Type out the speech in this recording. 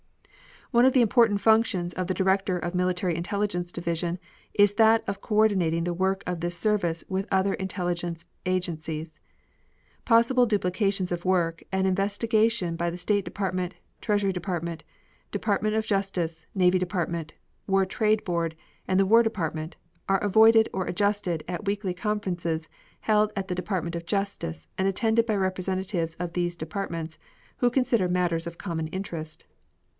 One of the important functions of the Director of the Military Intelligence Division is that of coordinating the work of this service with other intelligence agencies. Possible duplications of work and investigation by the State Department, Treasury Department, Department of Justice, Navy Department, War Trade Board, and the War Department are avoided or adjusted at weekly conferences held at the Department of Justice and attended by representatives of these departments who consider matters of common interest.